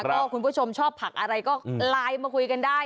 ก็คุณผู้ชมชอบผักอะไรก็ไลน์มาคุยกันได้